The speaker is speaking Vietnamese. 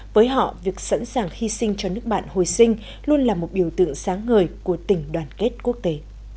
với họ việc sẵn sàng hy sinh cho nước bạn hồi sinh luôn là một biểu tượng sáng ngời của tình đoàn kết quốc tế